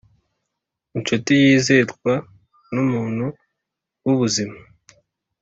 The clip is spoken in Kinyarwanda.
inshuti yizerwa numuti wubuzima